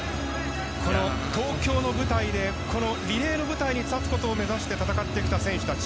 東京の舞台で、リレーの舞台に立つことを目指して戦ってきた選手たち。